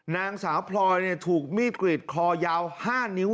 นางสาวพลอยถูกมีดกรีดคอยาว๕นิ้ว